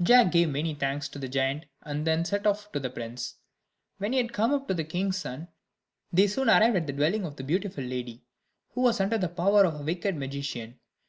Jack gave many thanks to the giant, and then set off to the prince. When he had come up to the king's son, they soon arrived at the dwelling of the beautiful lady, who was under the power of a wicked magician.